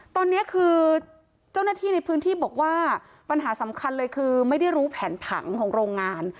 ตอนนี้คือเจ้าหน้าที่ในพื้นที่บอกว่าปัญหาสำคัญเลยคือไม่ได้รู้แผนผังของโรงงาน